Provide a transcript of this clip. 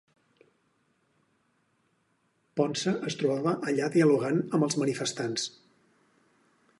Ponce es trobava allà dialogant amb els manifestants.